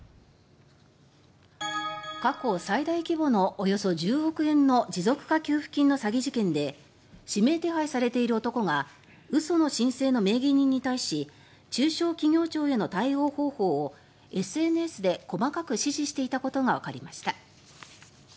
過去最大規模のおよそ１０億円の持続化給付金の詐欺事件で指名手配されている男が嘘の申請の名義人に対し中小企業庁への対応方法をＳＮＳで細かく指示していたことがわかりました。